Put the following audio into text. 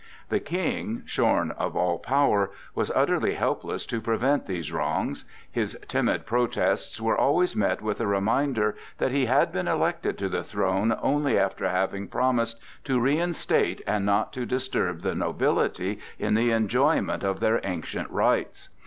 The King, shorn of all power, was utterly helpless to prevent these wrongs. His timid protests were always met with a reminder that he had been elected to the throne only after having promised to reinstate and not to disturb the nobility in the enjoyment of their ancient rights.